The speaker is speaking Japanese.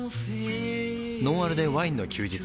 「ノンアルでワインの休日」